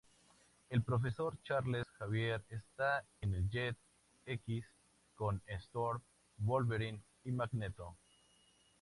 El profesor Charles Xavier está en el Jet-X con Storm, Wolverine y Magneto.